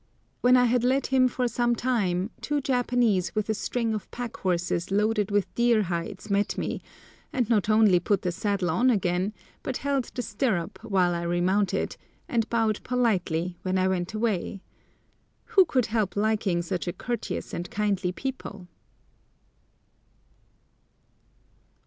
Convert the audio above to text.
When I had led him for some time two Japanese with a string of pack horses loaded with deer hides met me, and not only put the saddle on again, but held the stirrup while I remounted, and bowed politely when I went away. Who could help liking such a courteous and kindly people?